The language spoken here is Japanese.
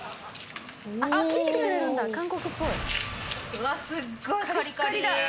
うわっすっごいカリカリ！